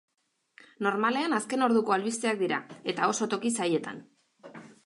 Normalean azken orduko albisteak dira eta oso toki zaietan.